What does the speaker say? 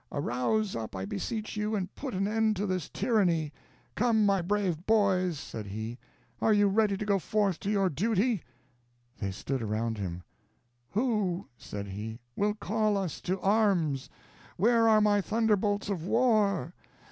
arouse up, I beseech you, and put an end to this tyranny. Come, my brave boys," said he, "are you ready to go forth to your duty?" They stood around him. "Who," said he, "will call us to arms? Where are my thunderbolts of war?